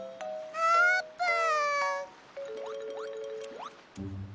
あーぷん？